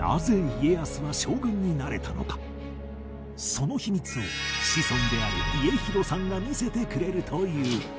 その秘密を子孫である家広さんが見せてくれるという